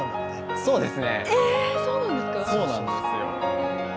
そうなんですよ。